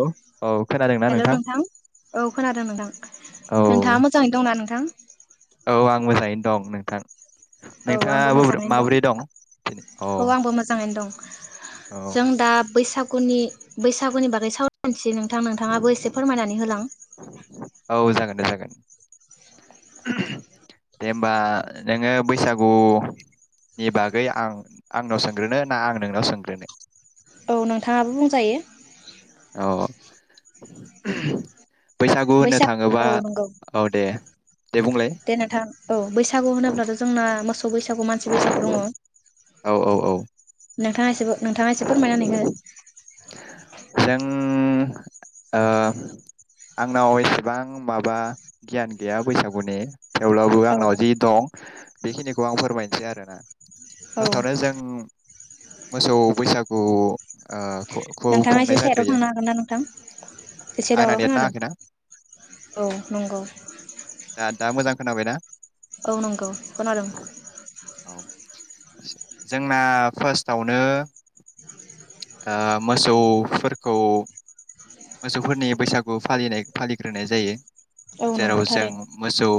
Hello औ खोनादोंना hello नोंथां औ खोनादों नोंथां औ नोंथाङा मोजाङै दंना नोंथां? [inaudible] औ आं मोजाङैनो दं नोंथां औ नोंथाङा आंबो बोरै मोजाङैनो माबोरै दं अ औ आंबो मोजाङैनो दं औ जों दा बैसागु गुनि बैसागुनि बागै सावरायसै नोंथां नोंथाङाबो एसे फोरमायनानै होलां औ जागोन दे जागोन दे होमबा नोङो बैसागुनि बागै आं आंनाव सोंग्रोनो ना आं नोंनाव सोंग्रोनो। औ नोंथाङाबो बुंजायो। औ [unintelligible] होननो थाङोबा बैसागु औ नंगौ दे दे बुंलाय दे नोंथां औ बैसागु होनोब्लाथ' जोंना मोसौ बैसागु मानसि बैसागु दङ औ औ औ नोंथाङा एसे नोंथाङा एसे फोरमायनानै हो जों ओ आंनाव एसेबां माबा गियान गैया बैसागुनि थेवब्लाबो औ आंनाव जि दं बेखिनिखौ आं फोरमायनोसै आरोना औ फार्स्टआवनो जों मोसौ बैसागु आ नोंथाङा एसे साइदआव थांनो हागोन ना नोंथां एसे आंना दावराव नेट खोनादों नाङाखैना औ नंगौ। दा दा मोजां खोनाबाय ना? औ नंगौ खोनादों औ जोंना फार्स्टआवनो। आ मोसौफोरखौ। मोसौफोरनि बैसागु फालिनाय फालिग्रोनाय जायो औ जेराव नंगौ जों थारैनो मोसौ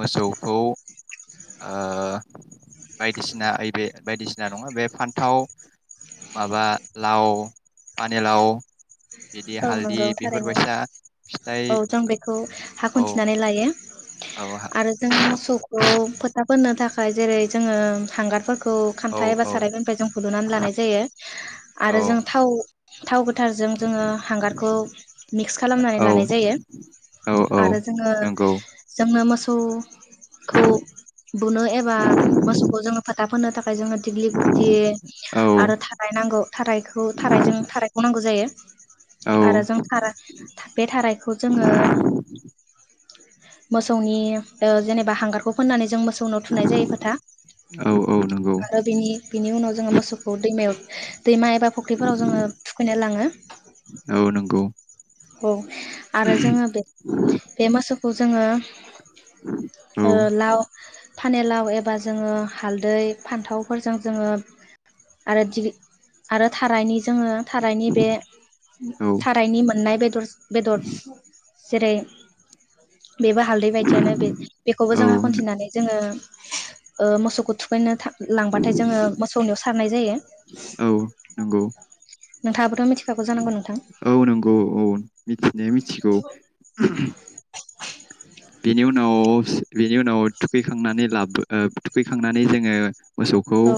मोसौखौ अ बायदिसिना ओइबे बायदिसिना नङा बे फान्थाव माबा लाव पानिलाव बिदि औ हाल नंगौ थारैनो औ जों बेखौ हा औ खनथिनानै लायो। औ आरो जों मोसौखौ फोथा फोथा फोननो थाखाय जेरै जोङो हांगार फोरखौ औ खान्था एबा सारायफोरनिफ्राय जों हुलुनानै लानाय जायो औ आरो जों थाव थाव गोथ थारजों जोङो हांगारखौ मिक्स खालामनानै औ लानाय जायो औ औ आरो जोङो नंगौ जों ङो मोसौखौ बुनो एबा मोसौखौ जोङो फोथा फोन्नो थाखाय फ्राय जोङो दिग्लिगुटि औ आरो थाराय नांगौ थारायखौ थारायजों थारायखौ नांगौ जायो [inaudible] आरो औ जों थारा बे थारायखौ जोङो मोसौनि ओ जेनेबा हांगारखौ फोननानै जों मो सौनाव थुनाय जायो फाथा औ औ नंगौ आरो बिनि बिनि उनाव जोङो मोसौखौ दैमायाव दैमा एबा फुख्रिफोराव जोङो थुखैनो लाङो औ नंगौ औ आरो जोङो बे बे मोसौ खौ जोङो औ ओ लाव फानेलाव एबा जोङो हालदै फान्थावफोरजों जोङो आरो दि आरो थारायनि जोङो थारायनि बे औ थारायनि नाय बेदर बेदर जेरै बेबो हालदै बायदियानो बे बेखौबो औ जों खनथिनानै जोङो ओ मोसौखौ थुखैनो था लांबाथाय जोङो मोसौनियाव सारनाय जायो। नंगौ नोंथांबोथ' मिथि औ नंगौ औ मिथिनाया मिथिगौ बिनि उनाव बिनि उनाव थुखैखांनानै लाबो ओ थुखैखांनानै जोङो मोसौखौ औ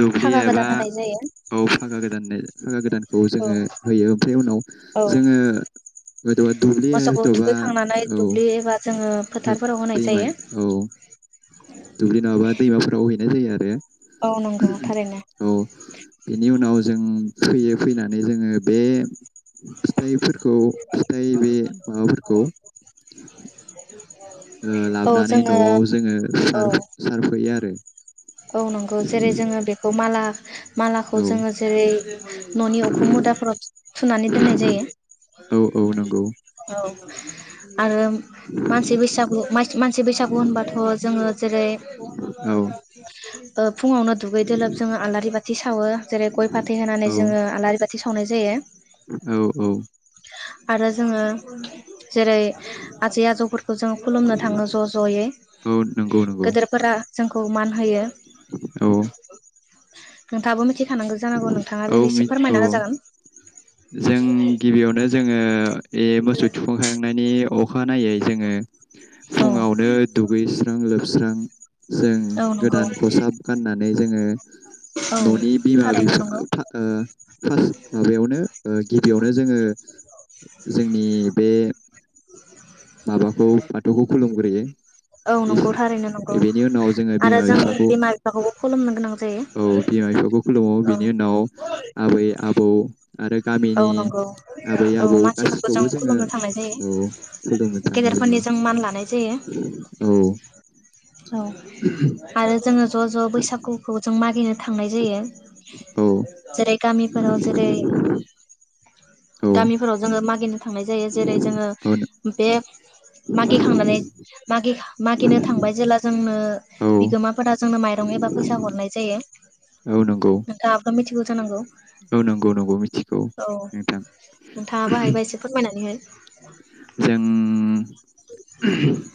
दुब्लि फागा गोदान एबा होनाय जायो औ फागा गोदानजो गोदानखौ औ जोङो होयो ओमफ्राय उनाव औ जोंओ दुब्लि मोसौखौ हयथ'बा थुखैखांनानै औ दुब्लि एबा जोङो ओ फोथारफोराव होनाय जायो दैमाया औ दुब्लि नङाबा दैमाफोराव दुगैनाय जायो औ नंगौ थारैनो आरो औ बेनि उनाव जों फैयो फैनानै जोङो बे फिथाइफोरखौ फिथाइ बे माबाफोरखौ [inaudible] औ लाबोनानै जोङो न'आव जोङो सार सारफैयो आरो ओ नंगौ जेरै जोङो बेखौ माला मालाखौ औ जोङो जेरै न'नि उखुम मुदाफोराव सुनानै दोननाय जायो औ औ नंगौ औ [inaudible] आरो मानसि बैसागु मानसि बैसागु होनबाथ' जोङो जेरै औ ओ फुङावनो दुगैजों लोब जोङो आलारि बाथि सावो जेरै गय फाथै होनानै औ जोङो आलारि बाथि खाथि सावनाय जायो औ औ आरो जोङो जेरै आजै आजौफोरखौ जों खुलुमनो थाङो ज' ज'यै औ नंगौ नंगौ गेदेरफोरा जोंखौ मा हायो [inaudible] औ नोंथाङाबो मिथिखानांगौ जानांगौ औ नोंथाङाबो मि एसे औ फोरमायना होजागोन जों गिबियावनो जोङो ए मोसौ थुखांखांनायनि अखानायै जोङो औ फुङावनो दुगैस्रां लोबस्रां जों नंगौ गोदान खसाब गाननानै जोङो औ न'नि बिमा थारैनो बिफा नंगौ फा फास्ट माबायावनो गिबियावनो जोङो [inaudible] जोंनि बे माबाखौ बाथौखौ खुलुमगोन बेजों औ नंगौ थारैनो नंगौ जोङो आरो बिमा जों बिफाखौ बिमा बिफाखौबो खुलुमनो गोनां जायो दङ औ बेनि उनाव आबै-आबौ आरो औ गामिनि नंगौ आबै औ आबौ मानसिफोरखौ जों गासिखौबो जोङो खुलुमनो थांनाय जायो औ खुलुमनो थाङो गेदेरफोरनि जोङो जों मान लानाय औ अ आरो जोङो ज' ज' बैसागुखौ जों मागिनो थांनाय जायो औ जेरै गामिफोराव जेरै औ गामिफोराव जोङो मागिनो थांनाय जायो जेरै जोङो औ न- मोनसे मागि खांनानै मागि मागिनो थांबाय जेला जोंनो औ बिगोमाफोरा दं एबा फैसा हरनाय जायो। औ नंगौ नोंथाङाबो मिथिगौ जानांगौ औ नंगौ नंगौ मिथिगौ औ नोंथां नोंथाङाबो हायोबा एसे फोरमायनानै हो जों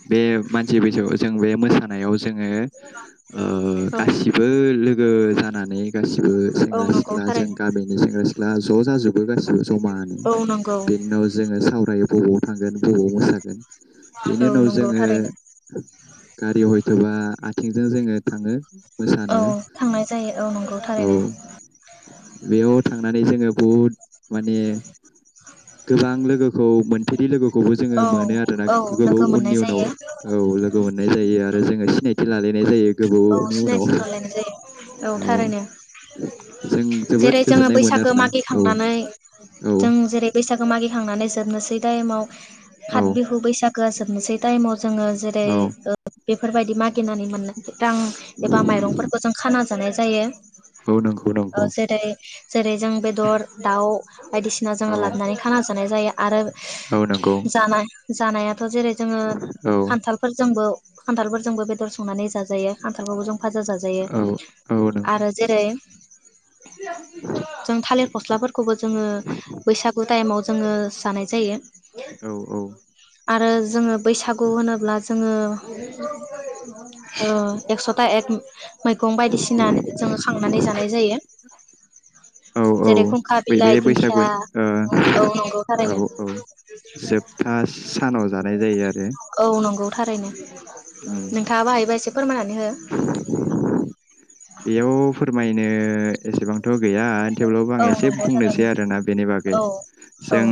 बे मानसि बैसागो जों बे मोसानायाव जोङो ओ हो गासिबो लोगो जानानै गासि ओ औ नंगौ सेंग्रा-सिख्ला जों थारैनो गामिनि सेंग्रा सिख ब्ला ज' जाजोब गासिबो ज'मानो औ नंगौ बेनि उनाव जोङो सावरायो बबाव थांगोन बबाव मोसागोन बेनि औ उनाव नंगौ जोङो थारैनो गारि हयथ' बा थिंजों जोङो थाङो औ मोसानो थांनाय जायो औ नंगौ औ थारैनो बेयाव थांनानै जोङो बहुद माने गोबां लोगोखौ मोन फेरै लोगोखौ खौबो जोङो औ मोनो आरो ना औ गोबाव लोगो मोननाय उननि उनाव जायो औ लोगो मोननाय जायो आरो जोङो सिनाय थिं लालायनाय जायो औ गोबावनि उनाव सिनायथि लालायनाय जायो औ थारैनो जों जोबोद जेरै जोङो गोजोननाय मोनो बैसागो आरोना औ मागिखांनानै औ जों जेरै बैसागो मागिखांनानै जोबनोसै दाय इमाव फाथ औ बिहु बैसागु गोसो मोनसे दाय‌ माव जोङो जेरै औ बेफोरबायदि मागिनानै मोननाय रां एबा माइरंफोरखौ जों खाना जानाय जायो औ नंगौ ओ नंगौ जेरै जेरै जों बेदर दाउ बायदिसिना औ जोङो लाबोननानै खानास जानाय जाया आरो औ नंगौ जानाय जानाया थ' जेरै जोङो औ खान्थालफोरजोंबो खान्थालफोरजोंबो बेदर संनानै जाज जायो खान्थालखौबो जों फाजा जाजायो औ औ नंगौ आरो जेरै जों थालिर फस्लाफोरखौबो जोङो बैसागु टाइमाव जोङो जानाय जायो औ औ आरो जोङो बैसागु होनोब्ला जोङो ओ एकस'था एक मैगं बायदिसिना जोङो खांनानै जानाय जायो [inaudible] औ औ जेरै खुंखा बै बे बिलाइ बैसागु दिंखिया ओ औ नंगौ थारैनो औ औ जोबथा सानाव जानाय जायो आरो औ नंगौ थारैनो उम नोंथाङाबो हायोबा एसे फोरमायनानै हो बेयाव फोरमायनो ओ एसेबांथ' गैया थेवब्लाबो आं औ एसे नंगौ बुंनोसै थारैनो आरोना बेनि बागै औ औ जों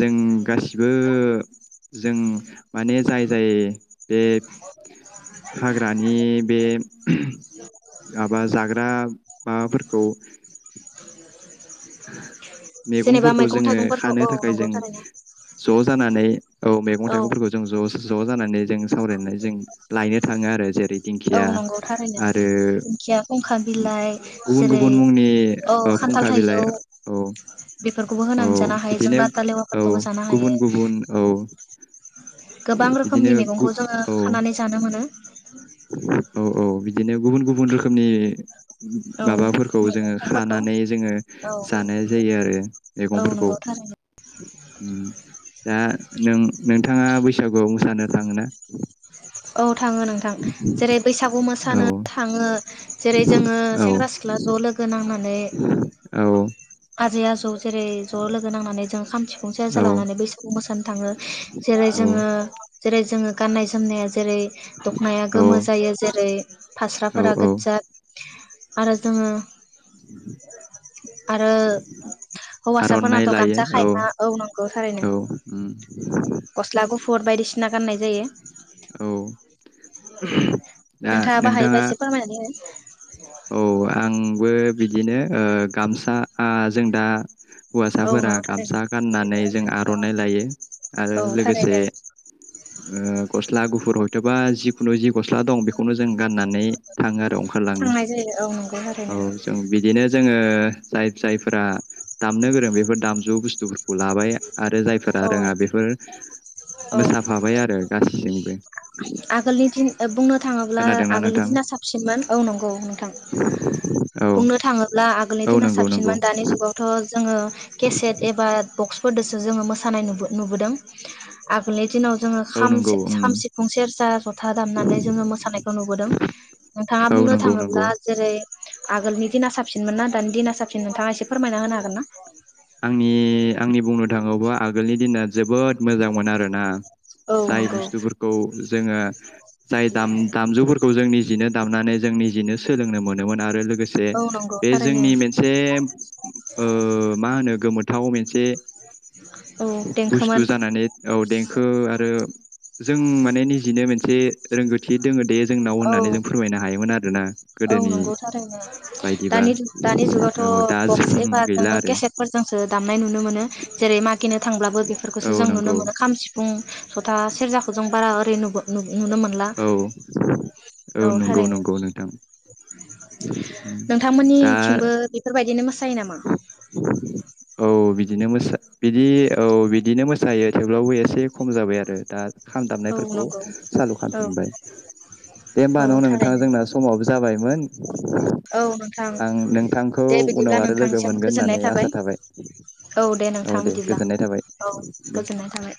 जों गासिबो जों माने जाय जाय बे हाग्रानि बे माबा जाग्रा माबाफोरखौ [inaudible] जेनेबा मेगंफोरखौ मैगं जोङो थाइगंफोरखौ खानो औ थाखाय नंगौ जों थारैनो ज' जानानै औ मैगं थाइगंफोरखौ जों ज' ज' जानानै जों सावरायनाय जों लायनो थाङो आरो जेरै औ दिंखिया नंगौ थारैनो आरो दिंखिया फुंखा बिलाइ गुबुन जेरै गुबुन मुंनि औ ओ खान्थाल फुंखा बिलाइ थाइजौ औ बेफोरखौबो औ होनानै जानो हायो जों बिदिनो लाथा औ लेवाफोरखौबो जानो हायो। गुबुन गुबुन औ गोबां बिदिनो रोखोमनि गु मेगंखौ जोङो औ खानानै जानो मोनो। औ औ बिदिनो गुबुन गुबुन रोखोमनि औ माबाफोरखौ मैगं जोङो थाइगंफोरखौ खानानै जोङो। औ जानाय जायो आरो औ मैगंफोरखौ नंगौ थारैनो ओम दा नों नोंथाङा बैसागुआव मोसानो थाङो ना। औ थाङो नोंथां जेरै बैसागु मोसानो औ थाङो। जेरै जोङो औ औ सेंग्रा सिख्ला ज' लोगो नां औ आजै आजौ जेरै ज' लोगो नांनानै जों खाम सिफुं सेरजा लानानै बैसागु मोसानो थाङो जेरै औ जोङो जेरै जोङो गाननाय जोमनाया जेरै दख'नाया गोमो औ जायो जेरै औ फास्राफोरा औ गोज्जा आरो जोङो। आरो आर'नाइ हौवासाफोरनाथ' लायो गामसा खायमा औ नंगौ थारैनो औ उम गस्ला गुफु फुर बायदिसिना गाननाय जायो। औ [unintelligible] नोंथाङा बाहायोबा एसे फोरमायनानै हो [inaudible] बो बिदिनो ओ गामसा आ जों दा हो औ हौवासाफोरा नंगौ थारैनो गामसा गाननानै जों आर'नाइ लायो आरो औ लोगोसे थारैनो ओ गस्ला गुफुर हयथ' बा जिखुनु जि गस्ला दं बेखौनो जों गाननानै थाङो आ थांनाय जायो औ नंगौ औ थारैनो जों बिदिनो जोङो ओ जाय जायफोरा दामनो गोरों बेफोर दामजु बुस्थुफोरखौ लाबाय आरो जायफोरा औ रोङा बेफोर औ मोसाफाबाय आरो गासैजोंबो आगोलनि दिन ओ बुंनो थाङोब्ला खोनादोंना आगोलनि नोंथां दिना साबसिनमोन औ नंगौ थां औ बुंनो थाङोब्ला आगोलनि औ दिना नंगौ नंगौ साबसिनमोन दानि जुगावथ' जोङो केसेट एबा बक्सफोरदोसो जोङो मोसा सानाय नुबो नुबोदों आगोलनि दिनाव जोङो औ खाम नंगौ उम खाम सिफुं सेरजा जथा दामनानै जोङो मोसानायखौ नुबोदों नोंथाङा औ बुंनो नंगौ नंगौ थाङोब्ला जेरै आगोलनि दिना साबसिनमोन ना दानि दिना साबसिन नोंथाङा एसे फोरमायना होनो हागोन ना? आंनि आंनि बुंनो थाङोबा आगोलनि दिना जोबोद मोजांमोन आरोना। औ जाय बुस्थुफोरखौ जोङो जाय दाम दामजुफोरखौ जों निजिनो दामनानै जों निजिनो सोलोंनो मोनोमोन आरो लो लोगोसे नंगौ बे थारैनो जोंनि मोनसे ओ मा होनो गोमोथाव मोन मोनसे औ देंखोमोन बुस्थु जानानै औ देंखो आरो जों माने निजिनो मोनसे रोंगौथि दङ दे जोंनाव औ होननानै जों फोरमायनो हायोमोन आरोना औ गोदोनि नंगौ थारैनो बायदिबा दानि दानि औ दा जुगावथ' बक्स जों एबा गैला जोङो आरो केसेद फोरजोंसो दामनाय नुनो मोनो जेरै मा गिनो थांब्लाबो औ बेफोरखौसो जों नुनो नंगौ मोनो खाम सिफुं स'था सेरजाखौ जों बारा नुबो नुब औ औ नंगौ थारैनो नंगौ नोंथां उम, दा नोंथांमोननिथिंबो बेफोरबायदिनो मो सायो नामा? औ औ बिदिनो मोसा बिदि औ बिदिनो मोसायो थेवब्लाबो एसे खम जाबाय आरो दा। खाम औ दामनायफोरखौ नंगौ सालु औ खालामफिनबाय दे औ होमबा न' नोंथां थारैनो जोंना समाबो जाबायमोन। औ नोंथां आं नोंथांखौ दे बिदिब्ला उनाव आ लोगो नोंथांसिम मोनगोन गोजोननाय होननानै आसा थाबाय औ औ नोंथां दे बिदिब्ला गोजोननाय थाबाय औ दे। गोजोननाय थाबाय।